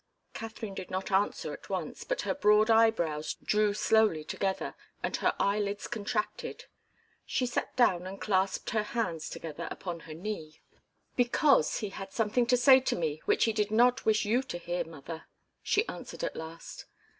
Katharine did not answer at once, but her broad eyebrows drew slowly together and her eyelids contracted. She sat down and clasped her hands together upon her knee. "Because he had something to say to me which he did not wish you to hear, mother," she answered at last.